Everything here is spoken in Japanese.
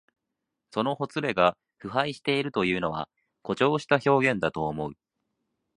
そのほつれが腐敗しているというのは、誇張した表現だと思う。